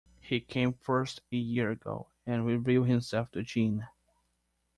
He came first a year ago, and revealed himself to Jeanne.